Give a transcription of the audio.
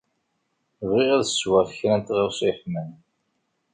Bɣiɣ ad sweɣ kra n tɣawsa yeḥman.